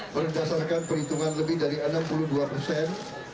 berdasarkan perhitungan lebih dari enam puluh dua persen